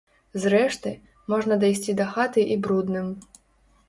Зрэшты, можна дайсці да хаты і брудным.